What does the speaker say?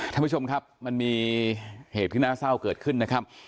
ท่านผู้ชมครับมันมีเหตุที่น่าเศร้าเกิดขึ้นนะครับ